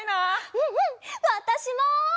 うんうんわたしも！